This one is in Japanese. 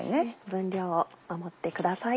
分量を守ってください。